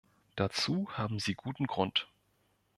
Dazu haben sie guten Grund.